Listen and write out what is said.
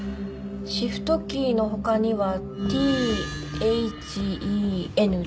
シフトキーの他には「ＴＨＥＮＤ」。